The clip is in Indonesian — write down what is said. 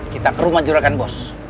kita ke rumah juarakan bos